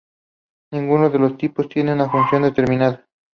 Ninguno de los tipos tiene una función determinada.